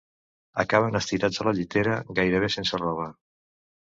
Acaben estirats a la llitera, gairebé sense roba.